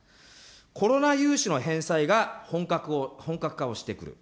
コロナ融資の返済が本格化をしてくる。